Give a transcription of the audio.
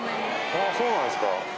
あぁそうなんですか。